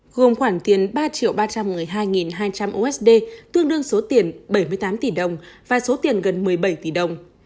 gồm khoản tiền ba triệu ba trăm một mươi hai hai trăm linh usd tương đương số tiền bảy mươi tám tỷ đồng và số tiền gần một mươi bảy tỷ đồng